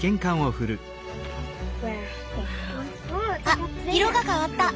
あっ色が変わった。